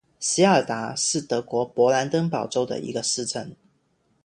席尔达是德国勃兰登堡州的一个市镇。